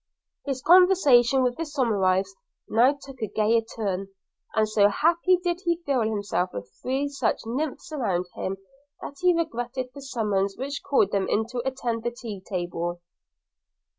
His conversation with the Miss Somerives now took a gayer turn; and so happy did he feel himself with three such nymphs around him, that he regretted the summons which called them in to attend the tea table.